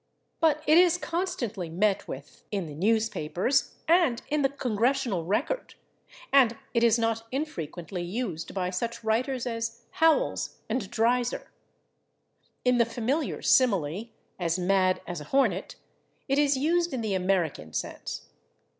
But it is constantly met with [Pg080] in the newspapers and in the /Congressional Record/, and it is not infrequently used by such writers as Howells and Dreiser. In the familiar simile, /as mad as a hornet/, it is used in the American sense.